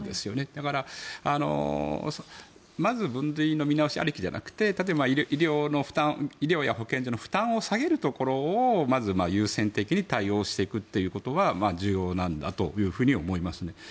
だから、まず分類の見直しありきじゃなくて例えば医療や保健所の負担を下げるところをまず優先的に対応していくということは重要なんだというふうに思いますね。